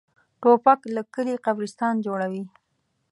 توپک له کلي قبرستان جوړوي.